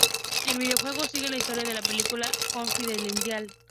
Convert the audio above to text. El videojuego sigue la historia de la película con fidelidad.